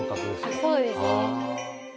あっそうですね